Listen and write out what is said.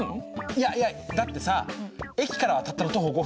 いやいやだってさ駅からはたったの徒歩５分でしょ。